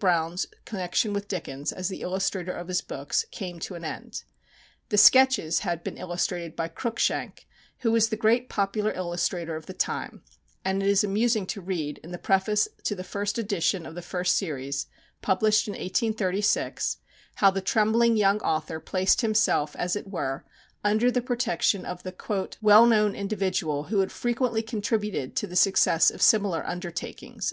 Browne's connection with Dickens, as the illustrator of his books, came to an end. The "Sketches" had been illustrated by Cruikshank, who was the great popular illustrator of the time, and it is amusing to read, in the preface to the first edition of the first series, published in 1836, how the trembling young author placed himself, as it were, under the protection of the "well known individual who had frequently contributed to the success of similar undertakings."